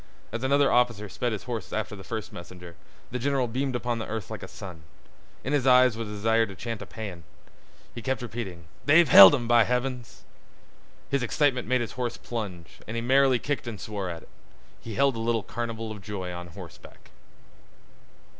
As another officer sped his horse after the first messenger, the general beamed upon the earth like a sun. In his eyes was a desire to chant a paean. He kept repeating, "They've held 'em, by heavens!" His excitement made his horse plunge, and he merrily kicked and swore at it. He held a little carnival of joy on horseback.